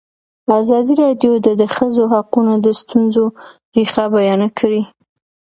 ازادي راډیو د د ښځو حقونه د ستونزو رېښه بیان کړې.